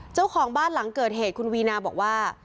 เจ้าของบ้านหลังเกิดเหตุคุณวีนาบอกว่า